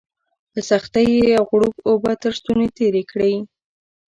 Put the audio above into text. په سختۍ یې یو غوړپ اوبه تر ستوني تېري کړې